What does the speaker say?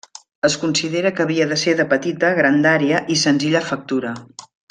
Es considera que havia de ser de petita grandària i senzilla factura.